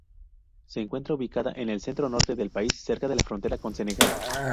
Se encuentra ubicada en el centro-norte del país, cerca de la frontera con Senegal.